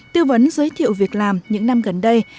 tư vấn giới thiệu việc làm những năm gần đây